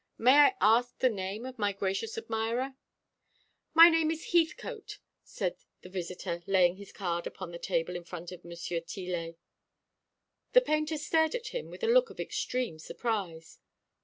May I ask the name of my gracious admirer?" "My name is Heathcote," said the visitor, laying his card upon the table in front of M. Tillet. The painter stared at him with a look of extreme surprise.